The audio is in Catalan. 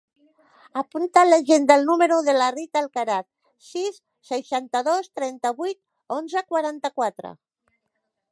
Apunta a l'agenda el número de la Rita Alcaraz: sis, seixanta-dos, trenta-vuit, onze, quaranta-quatre.